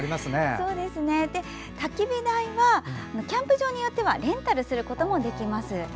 たき火台はキャンプ場によってはレンタルすることもできます。